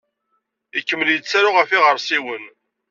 Ikemmel yettaru ɣef yiɣersiwen.